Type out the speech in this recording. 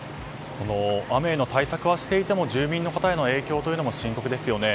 雨への対策はしていても住民の方への影響というのも深刻ですよね。